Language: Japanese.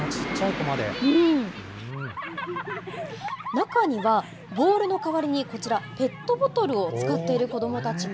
中には、ボールの代わりにこちら、ペットボトルを使っている子どもたちも。